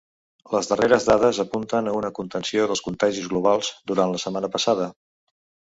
Les darreres dades apunten a una contenció dels contagis globals durant la setmana passada.